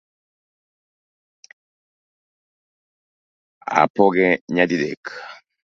Apoge nyadidek